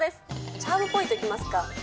チャームポイントいきますか。